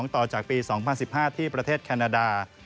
ต่อจากปี๒๐๑๕ที่ประเทศแคนาดา